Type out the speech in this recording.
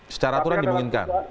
secara aturan dimungkinkan